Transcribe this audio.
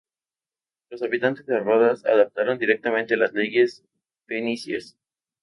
Los habitantes de Rodas adaptaron directamente las leyes fenicias.